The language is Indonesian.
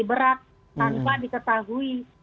diberat tanpa diketahui